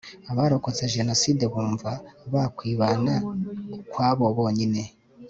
abarokotse jenoside bumva bakwibana ukwabo bonyine